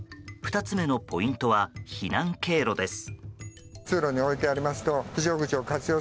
２つ目のポイントは避難経路です。